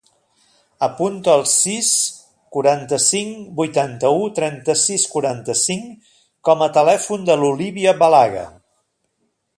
Apunta el sis, quaranta-cinc, vuitanta-u, trenta-sis, quaranta-cinc com a telèfon de l'Olívia Balague.